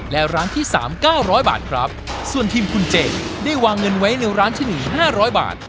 และร้านที่สามเก้าร้อยบาทครับส่วนทีมคุณเจได้วางเงินไว้ในร้านชะนีห้าร้อยบาท